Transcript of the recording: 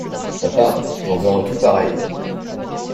Papa, j’en veux un tout pareil!